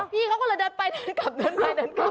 พี่เขาก็เลยเดินไปเดินกลับเดินไปเดินกลับ